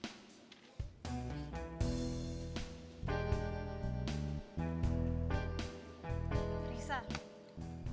biasanyaiferko lagi makan tuh gua selalu lagu